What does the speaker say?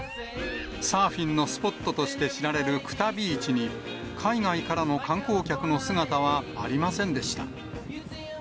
サーフィンのスポットとして知られるクタビーチに、海外からの観光客の姿はありませんでした。